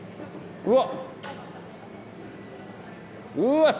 うわっ！